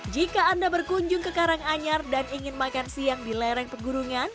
jika anda berkunjung ke karanganyar dan ingin makan siang di lereng pegunungan